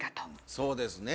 そうですね。